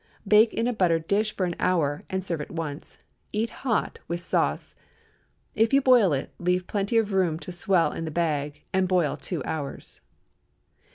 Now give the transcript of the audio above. Bake in a buttered dish for an hour, and serve at once. Eat hot, with sauce. If you boil it, leave plenty of room to swell in the bag, and boil two hours.